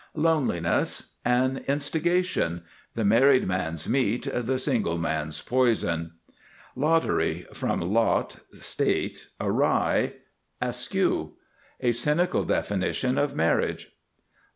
LONELINESS. An instigation. The married man's meat, the single man's poison. LOTTERY. From lot, state; awry, askew. A cynical definition of marriage.